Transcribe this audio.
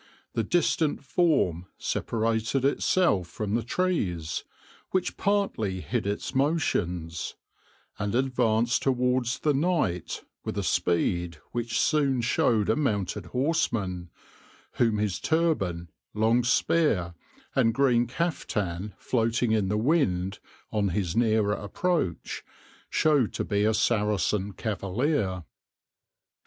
The distant form separated itself from the trees, which partly hid its motions, and advanced towards the knight with a speed which soon showed a mounted horseman, whom his turban, long spear, and green caftan floating in the wind, on his nearer approach, showed to be a Saracen cavalier.